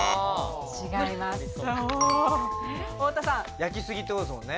焼きすぎってことですもんね。